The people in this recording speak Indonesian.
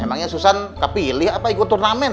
emangnya susah kepilih apa ikut turnamen